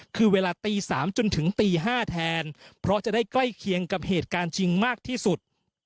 คือเวลาตี๓จนถึงตี๕แทนเพราะจะได้ใกล้เคียงกับเหตุการณ์จริงมากที่สุด